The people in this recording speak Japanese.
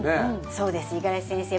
そうです五十嵐先生